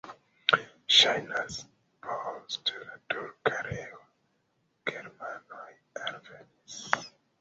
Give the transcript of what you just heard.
Ŝajnas, post la turka erao germanoj alvenis.